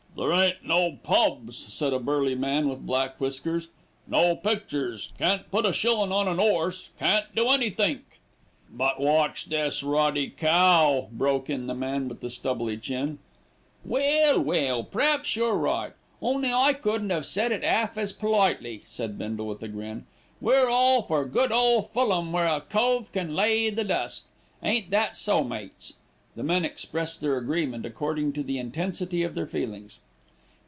"There ain't no pubs," said a burly man with black whiskers, "no pictures, can't put a shillin' on an 'orse, can't do anythink " "But watch this ruddy cow," broke in the man with the stubbly chin. "Well, well, p'raps you're right, only I couldn't 'ave said it 'alf as politely," said Bindle, with a grin. "We're all for good ole Fulham where a cove can lay the dust. Ain't that so, mates?" The men expressed their agreement according to the intensity of their feelings.